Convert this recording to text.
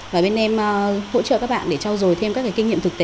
và bên em hỗ trợ các bạn để trao dồi thêm các kinh nghiệm thực tế